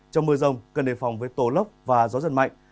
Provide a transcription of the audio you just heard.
trong mưa rông cần đề phòng với tổ lốc và gió giật mạnh